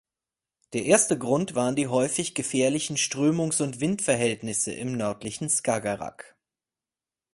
Der erste Grund waren die häufig gefährlichen Strömungs- und Windverhältnisse im nördlichen Skagerrak.